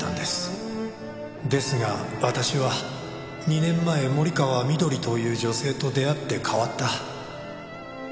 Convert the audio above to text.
「ですが私は２年前森川みどりという女性と出会って変わった」